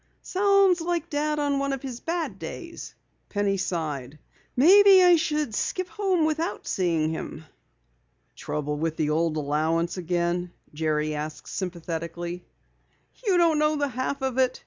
"Sounds like Dad on one of his bad days," Penny sighed. "Maybe I should skip home without seeing him." "Trouble with the old allowance again?" Jerry asked sympathetically. "You don't know the half of it.